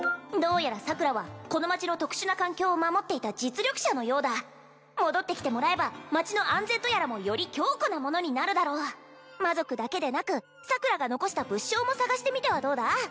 どうやら桜はこの町の特殊な環境を守っていた実力者のようだ戻ってきてもらえば町の安全とやらもより強固なものになるだろう魔族だけでなく桜が残した物証も探してみてはどうだ？